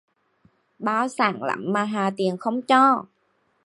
Bao sản lắm mà hà tiện không cho